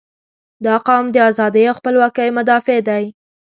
• دا قوم د ازادۍ او خپلواکۍ مدافع دی.